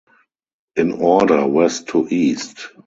In order west to east.